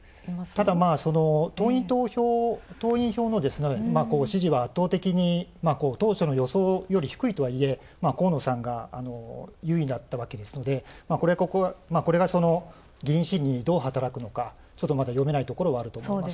ただ、党員票の支持が圧倒的に当初の予想より低いとはいえ、河野さんが優位だったわけですのでこれが議員心理にどう働くのかちょっとまだ読めないところはあると思います。